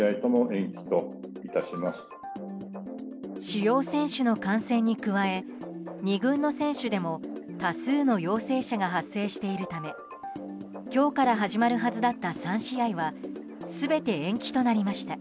主要選手の感染に加え２軍の選手でも多数の陽性者が発生しているため今日から始まるはずだった３試合は全て延期となりました。